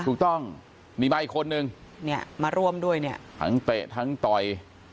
ถูกต้องมีมาอีกคนนึงเนี่ยมาร่วมด้วยเนี่ยทั้งเตะทั้งต่อย